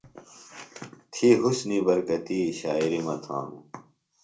تھی حُسنی برکتی شاعِری مہ تھانوۡ۔